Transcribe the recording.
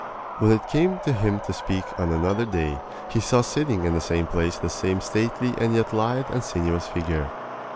When it came to him to speak on another day he saw sitting in the same place the same stately and yet lithe and sinuous figure.